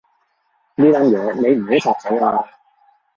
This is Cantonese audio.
呢單嘢你唔好插手啊